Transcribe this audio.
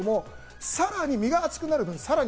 さらに身が厚くなるんですよ。